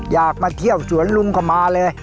อยากมาเที่ยวสวนลุงก็มาเลย